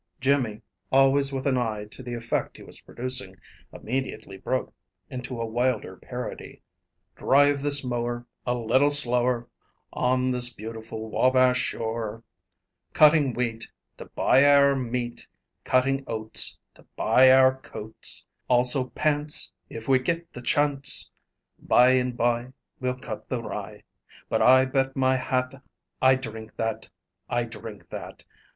Jimmy always with an eye to the effect he was producing immediately broke into wilder parody: "Drive this mower, a little slower, On this beautiful Wabash shore, Cuttin' wheat to buy our meat, Cuttin' oats, to buy our coats, Also pants, if we get the chance. By and by, we'll cut the rye, But I bet my hat I drink that, I drink that.